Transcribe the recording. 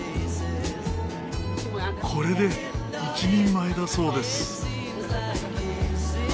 これで一人前だそうです。